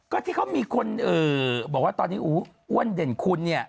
ก็ที่เขามีคนบอกว่าตอนนี้อ้วนเด่นคุณเนี่ย